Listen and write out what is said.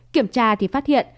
kiểm tra thì phát hiện